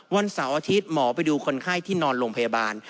วันเสาร์อาทิตย์หมอไปดูคนไข้ที่นอนโรงพยาบาล